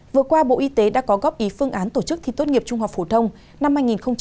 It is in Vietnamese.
vừa qua bộ y tế đã có góp ý phương án tổ chức thi tốt nghiệp trung học phổ thông năm hai nghìn hai mươi